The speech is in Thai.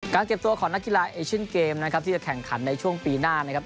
เก็บตัวของนักกีฬาเอเชียนเกมนะครับที่จะแข่งขันในช่วงปีหน้านะครับ